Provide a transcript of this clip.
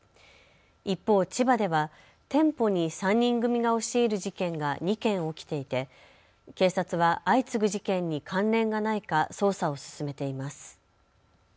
一方、千葉では店舗に３人組が押し入る事件が２件起きていて警察は相次ぐ事件に関連がないか捜査を進めています。